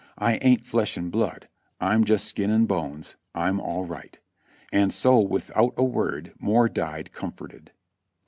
"I ain't flesh and blood, I'm just skin and bones. I'm all right.'' And so without a word more died comforted.